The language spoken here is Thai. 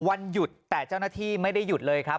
วันหยุดแต่เจ้าหน้าที่ไม่ได้หยุดเลยครับ